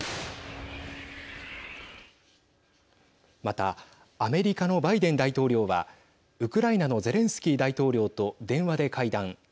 またアメリカのバイデン大統領はウクライナのゼレンスキー大統領と電話で会談。